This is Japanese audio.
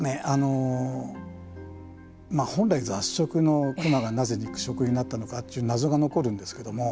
本来、雑食のクマがなぜ肉食になったのかという謎が残るんですけれども。